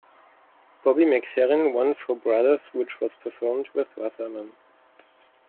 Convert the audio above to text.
Bobby McFerrin won for "Brothers", which was performed with Wasserman.